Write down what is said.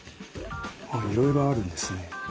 あっいろいろあるんですね。